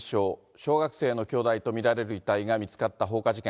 小学生の兄弟と見られる遺体が見つかった放火事件。